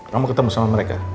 kamu ketemu sama mereka